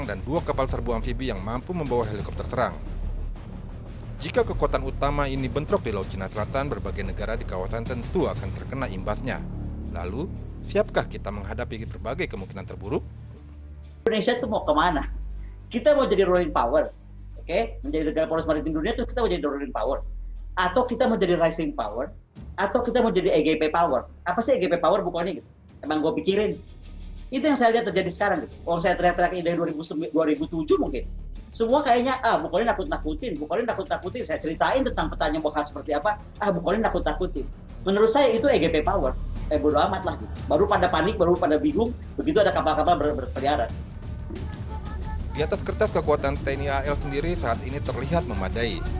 di atas kertas kekuatan tni al sendiri saat ini terlihat memadai